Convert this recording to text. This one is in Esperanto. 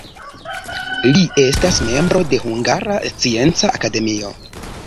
Li estas membro de Hungara Scienca Akademio.